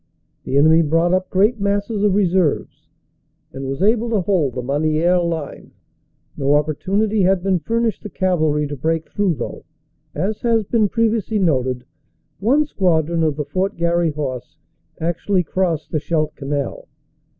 The enemy brought up great masses of reserves, and was able to hold the Masnieres line. No opportunity had been furnished the cavalry to break through though, as h?,s been previously noted, one squadron of the Fort Garry Horse actually crossed the Scheldt Canal.